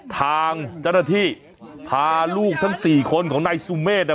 ทางเจ้าหน้าที่พาลูกทั้งสี่คนของนายสุเมฆ